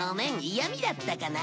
嫌みだったかな？